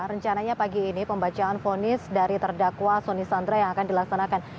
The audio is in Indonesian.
rencananya pagi ini pembacaan fonis dari terdakwa soni sandra yang akan dilaksanakan